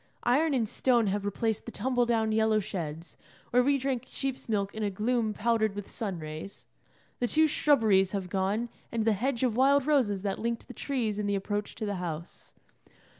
Iron and stone have replaced the tumble down yellow sheds, where we drank sheep's milk in a gloom powdered with sun rays; the two shrubberies have gone, and the hedge of wild roses that linked the trees in the approach to the house.